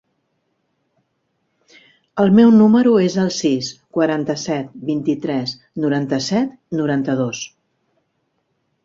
El meu número es el sis, quaranta-set, vint-i-tres, noranta-set, noranta-dos.